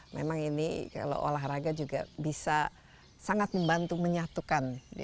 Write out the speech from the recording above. karena memang ini kalau olahraga juga bisa sangat membantu menyatukan